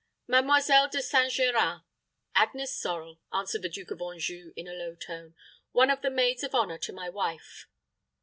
"Mademoiselle De St. Geran Agnes Sorel," answered the Duke of Anjou, in a low tone. "One of the maids of honor to my wife."